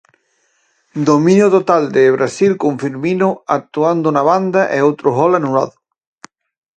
Dominio total de Brasil con Firmino actuando na banda e outro gol anulado.